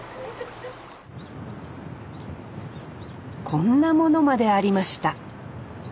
こんなものまでありました